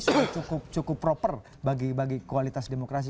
ini cukup proper bagi kualitas demokrasi